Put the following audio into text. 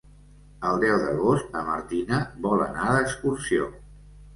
El deu d'agost na Martina vol anar d'excursió.